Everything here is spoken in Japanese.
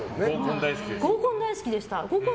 合コン大好きでした。